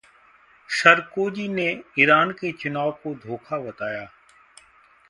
Sarkozy ने Iran के चुनाव को धोखा बताया